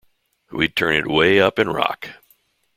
We'd turn it way up and rock.